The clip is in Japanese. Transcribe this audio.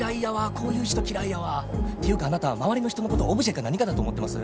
こういう人嫌いやわていうかあなた周りの人のことオブジェか何かだと思ってます？